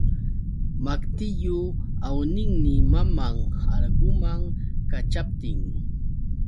Maqtillu awninmi maman urguman kaćhaptin.